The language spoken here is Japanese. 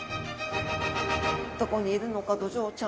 どこにいるのかドジョウちゃん。